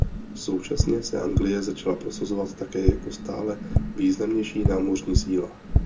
Současně se Anglie začala prosazovat také jako stále významnější námořní síla.